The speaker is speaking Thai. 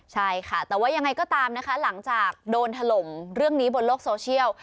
ใช่ค่ะแต่ว่ายังไงก็ตามนะคะหลังจากโดนถล่มเรื่องนี้บนโลกโซเชียล